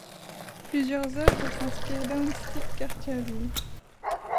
Plusieurs œuvres s'inspirent d'Ahuntsic-Cartierville.